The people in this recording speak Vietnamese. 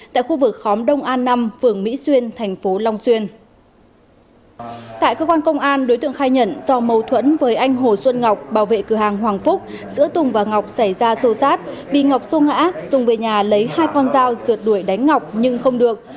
tại cơ quan công an đối tượng khai nhận do mâu thuẫn với anh hồ xuân ngọc bảo vệ cửa hàng hoàng phúc giữa tùng và ngọc xảy ra xô xát bị ngọc xô ngã tùng về nhà lấy hai con dao rượt đuổi đánh ngọc nhưng không được